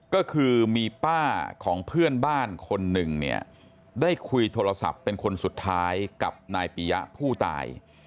ก็คือมีป้าของเพื่อนบ้านคนหนึ่งเนี่ยได้คุยโทรศัพท์เป็นคนสุดท้ายกับนายปียะผู้ตาย